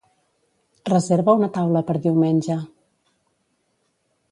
Reserva una taula per diumenge.